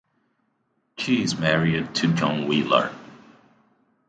She is married to John Willard.